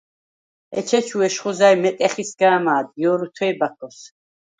ეჩეჩუ ეშხუ ზა̈ჲ მეტეხისგა ამა̄დ, ჲერუ თუ̂ე ბაქოს.